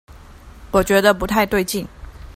我覺得不太對勁